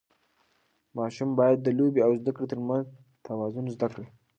ماشوم باید د لوبو او زده کړې ترمنځ توازن زده کړي.